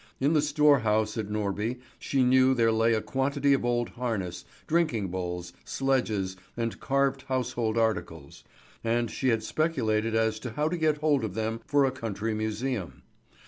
In the store house at Norby she knew there lay a quantity of old harness, drinking bowls, sledges, and carved household articles, and she had speculated as to how to get hold of them for a country museum.